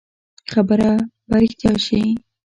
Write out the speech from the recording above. خبره به رښتيا شي.